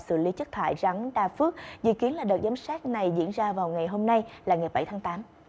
xử lý chất thải rắn đa phước dự kiến là đợt giám sát này diễn ra vào ngày hôm nay là ngày bảy tháng tám